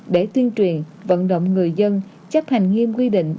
để tuyên truyền vận động người dân chấp hành nghiêm quy định